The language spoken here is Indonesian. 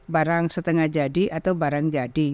barang setengah jadi atau barang jadi